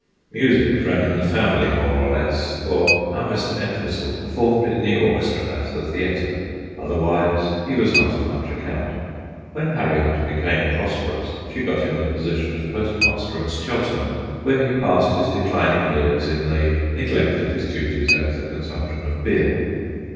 Music ran in the family, more or less, for our Mr. Entwistle performed in the orchestra at the theatre. Otherwise, he was not of much account. When Harriot became pros perous she got him the position of post master at Cheltenham, where he passed his declining years in the neglect of his duties and the consumption of beer.